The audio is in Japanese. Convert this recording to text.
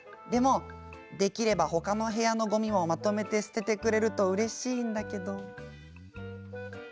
でも、できればほかの部屋のごみもまとめて捨ててくれるとうれしいんだけど。